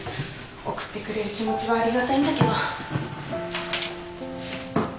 送ってくれる気持ちはありがたいんだけど。